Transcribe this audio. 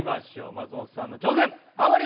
松本さんの挑戦ハモリ